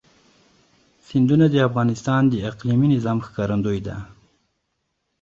سیندونه د افغانستان د اقلیمي نظام ښکارندوی ده.